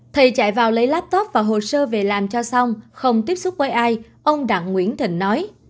thầy chạy vào lấy laptop và hồ sơ về làm cho xong không tiếp xúc với ai ông đặng nguyễn thịnh nói